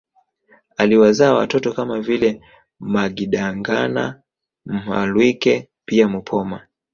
Aliwazaa watoto kama vile Magidangana Mhalwike pia Mupoma